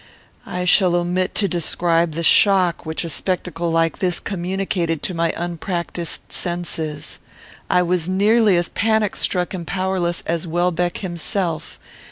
I shall omit to describe the shock which a spectacle like this communicated to my unpractised senses. I was nearly as panic struck and powerless as Welbeck himself.